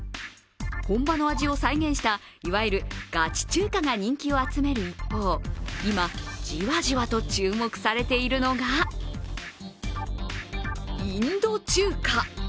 本場の味を再現した、いわゆるガチ中華が人気を集める一方、今、ジワジワと注目されているのがインド中華。